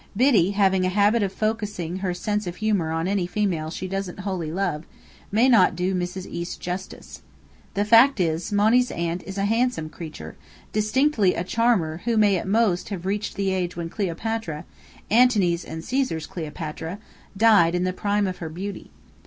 Biddy having a habit of focussing her sense of humour on any female she doesn't wholly love, may not do Mrs. East justice. The fact is, Monny's aunt is a handsome creature, distinctly a charmer who may at most have reached the age when Cleopatra Antony's and Caesar's Cleopatra died in the prime of her beauty.